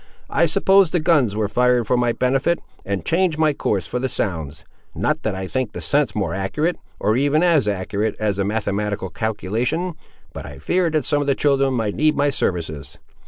I supposed the guns were fired for my benefit, and changed my course for the sounds—not that I think the sense more accurate, or even as accurate as a mathematical calculation, but I feared that some of the children might need my services."